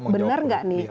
benar nggak nih